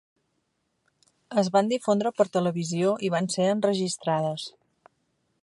Es van difondre per televisió i van ser enregistrades.